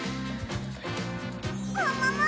ももも！